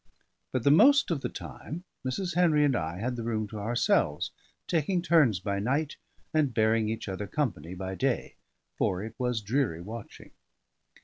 But the most of the time Mrs. Henry and I had the room to ourselves, taking turns by night, and bearing each other company by day, for it was dreary watching.